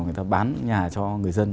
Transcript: người ta bán nhà cho người dân